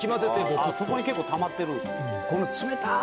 底に結構たまってる。